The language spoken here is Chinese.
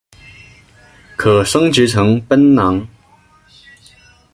可升级成奔狼。